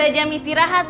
nah sudah jam istirahat